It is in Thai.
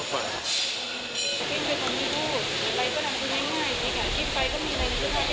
กิ๊กเป็นคนไม่พูด